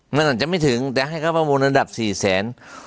มันอาจจะไม่ถึงแต่ให้เข้าไปเป็นวนนำดับ๔แสน